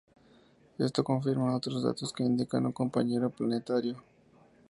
Esto confirma otros datos que indican un compañero planetario.